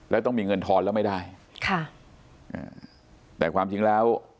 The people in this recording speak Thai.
แล้วต้องมีเงินทอนแล้วไม่ได้ค่ะอ่าแต่ความจริงแล้ว